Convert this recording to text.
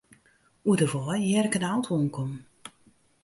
Oer de wei hear ik in auto oankommen.